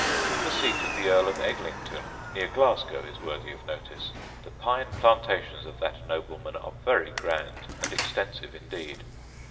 The seat of the Earl of Eglintoun, near Glasgow, is worthy of notice. The pine plantations of that nobleman are very grand and extensive indeed.